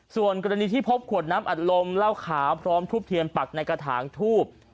ส่วนกรณีที่พบขวดน้ำอัดลมเหล้าขาวพร้อมทูบเทียนปักในกระถางทูบ